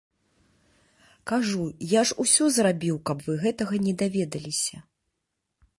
Кажу, я ж усё зрабіў, каб вы гэтага не даведаліся.